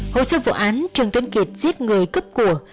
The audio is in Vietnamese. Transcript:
hồi xưa vụ án trường tuấn kiệt giết người cấp của